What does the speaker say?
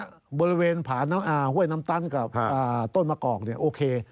บริเวณผาห้วยน้ำตันกับต้นมะกอกเนี่ยโอเค